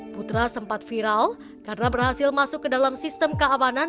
putra sempat viral karena berhasil masuk ke dalam sistem keamanan